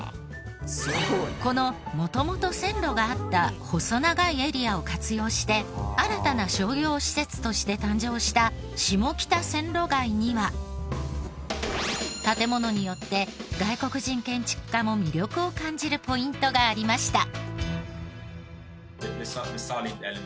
この元々線路があった細長いエリアを活用して新たな商業施設として誕生した下北線路街には建ものによって外国人建築家も魅力を感じるポイントがありました。